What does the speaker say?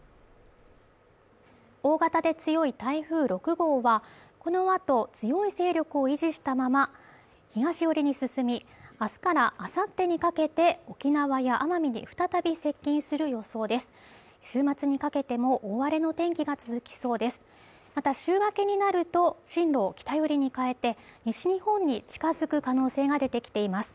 大型で強い台風６号はこのあと強い勢力を維持したまま東寄りに進みあすからあさってにかけて沖縄や奄美に再び接近する予想です週末にかけても大荒れの天気が続きそうですまた週明けになると進路を北寄りに変えて西日本に近づく可能性が出てきています